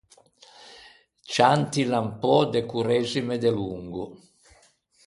Ciantila un pö de correzime delongo!